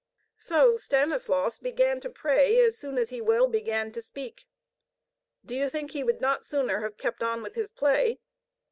So Stanislaus began to pray as soon as he well began to speak. Do you think he would not sooner have kept on with his play?